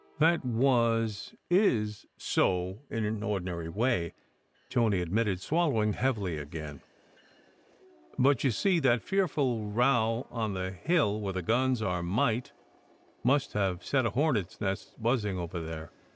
"That was is so, in an ordinary way," Tony ad mitted, swallowing heavily again. "But you see that fearful row on the hill where the guns are might must have set a hornet s nest buzzing over there.